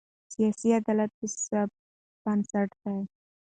سیاسي عدالت د ثبات بنسټ دی